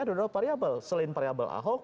ada dua variabel selain variabel ahok